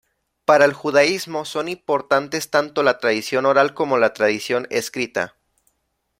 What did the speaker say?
Para el judaísmo son importantes tanto la tradición oral como la tradición escrita.